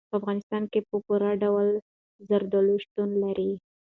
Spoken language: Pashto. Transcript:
په افغانستان کې په پوره ډول زردالو شتون لري.